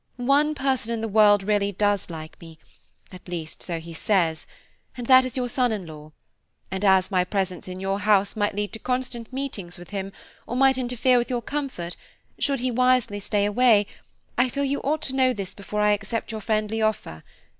One person in the world really does like me, at least, so he says, and that is your son in law; and as my presence in your house might lead to constant meetings with him, or might interfere with your comfort, should he wisely stay away, I feel you ought to know this before I accept your friendly offer.